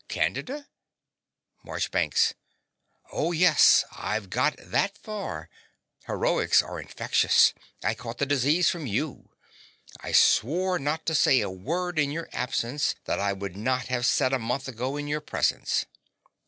Candida? MARCHBANKS. Oh, yes: I've got that far. Heroics are infectious: I caught the disease from you. I swore not to say a word in your absence that I would not have said a month ago in your presence.